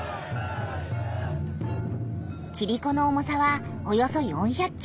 キリコの重さはおよそ４００キログラム。